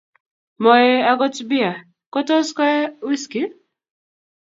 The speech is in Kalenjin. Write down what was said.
mo eei akot bia, ko tos ko ee whisky